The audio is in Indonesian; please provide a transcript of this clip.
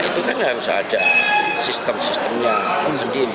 itu kan harus ada sistem sistemnya tersendiri